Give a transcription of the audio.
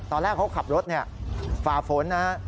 ตอนแรกเขาขับรถฝ่าฝนนะฮะ